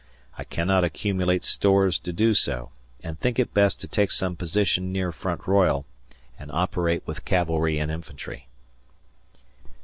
I cannot accumulate stores to do so, and think it best to take some position near Front Royal and operate with cavalry and infantry.